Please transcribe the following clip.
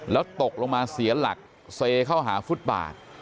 แล้วตกลงมาเสียหลักเซเข้าหาฟุตบาท